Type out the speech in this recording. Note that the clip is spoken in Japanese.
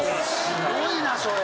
すごいなそれ。